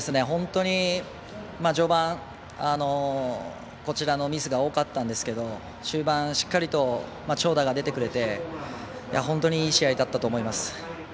本当に序盤、こちらのミスが多かったんですけど終盤しっかりと長打が出てくれて本当にいい試合だったと思います。